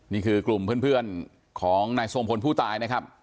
นี่คือกลุ่มเพื่อนของนายทรงพลผู้ตายนะครับ